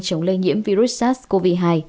chống lây nhiễm virus sars cov hai